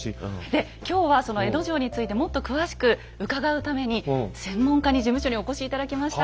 で今日はその江戸城についてもっと詳しく伺うために専門家に事務所にお越し頂きました。